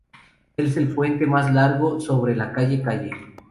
Es el puente mas largo sobre el Calle-Calle.